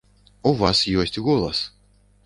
У вас ёсць голас.